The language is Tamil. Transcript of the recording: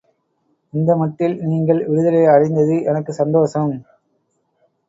இந்த மட்டில் நீங்கள் விடுதலை அடைந்தது எனக்கு சந்தோஷம்.